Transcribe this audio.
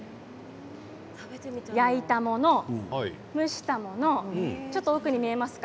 焼いたもの、蒸したものちょっと奥に見えますか？